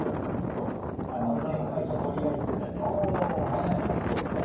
流さんそうそう。